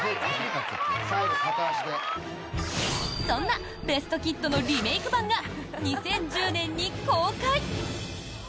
そんな「ベスト・キッド」のリメイク版が２０１０年に公開。